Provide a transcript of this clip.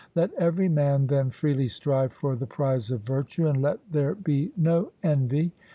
Let every man, then, freely strive for the prize of virtue, and let there be no envy.